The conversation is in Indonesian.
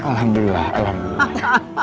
alhamdulillah alhamdulillah sehat